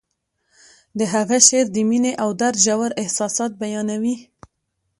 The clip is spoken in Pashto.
د هغه شعر د مینې او درد ژور احساسات بیانوي